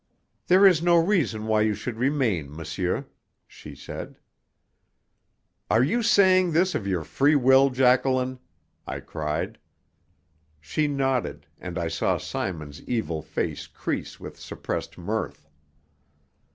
"There is no reason why you should remain, monsieur," she said. "Are you saying this of your free will, Jacqueline?" I cried. She nodded, and I saw Simon's evil face crease with suppressed mirth.